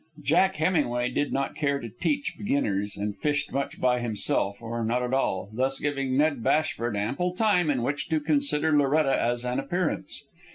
Jack Hemingway did not care to teach beginners, and fished much by himself, or not at all, thus giving Ned Bashford ample time in which to consider Loretta as an appearance.